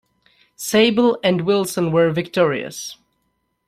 Sable and Wilson were victorious.